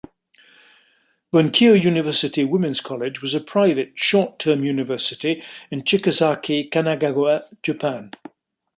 Bunkyo University Women's College was a private short-term University in Chigasaki, Kanagawa, Japan.